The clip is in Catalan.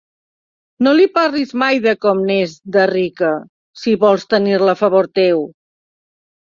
No li parlis mai de com n'és, de rica, si vols tenir-la a favor teu.